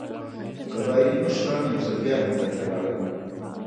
قبایلي مشران یو ځل بیا لندن ته لاړل.